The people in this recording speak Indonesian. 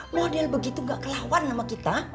model begitu gak kelawan sama kita